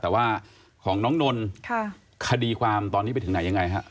แต่ว่าของน้องนนท์คดีความตอนนี้ไปถึงไหนยังไงฮะ